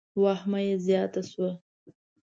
واهمه یې زیاته شوه.